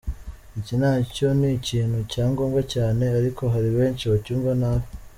Iki nacyo ni ikintu cya ngombwa cyane, ariko hari benshi bacyumva nabi.